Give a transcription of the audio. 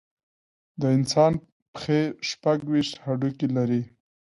د انسان پښې شپږ ویشت هډوکي لري.